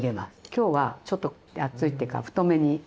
今日はちょっと厚いっていうか太めに。